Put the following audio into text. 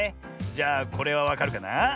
じゃあこれはわかるかな？